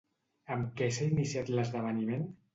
Amb què s'ha iniciat l'esdeveniment?